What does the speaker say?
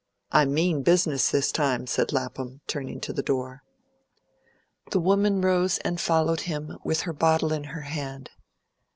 I mean business this time," said Lapham, turning to the door. The woman rose and followed him, with her bottle in her hand.